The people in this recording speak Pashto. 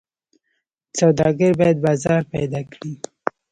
سوداګر باید بازار پیدا کړي.